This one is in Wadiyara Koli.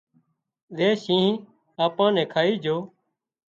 زي شينهن آپان نين کائي جھو